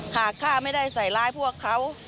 ข้าไม่ได้ใส่ร้ายพวกเขา